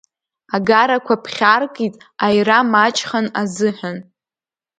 Агарақәа ԥхьаркит, аира маҷхан азыҳәан.